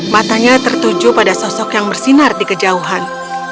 matanya tertuju pada sosok yang bersinar di kejauhan